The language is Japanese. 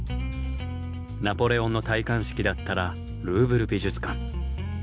「ナポレオンの戴冠式」だったらルーヴル美術館。